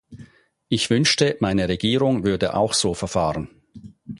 Ich wünschte, meine Regierung würde auch so verfahren.